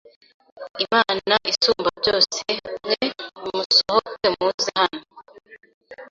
Imana Isumbabyose mwe nimusohoke muze hano